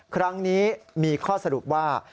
ครั้งนี้มีข้อสรุปว่า